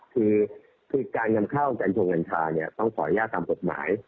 คือคือการนำเข้ากันทุนการชาติเนี้ยต้องขออนุญาตกรรมกฎหมาย